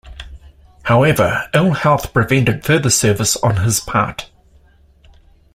However ill-health prevented further service on his part.